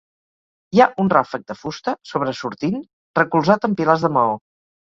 Hi ha un ràfec de fusta, sobresortint, recolzat en pilars de maó.